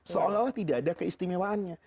seolah olah tidak ada keistimewaannya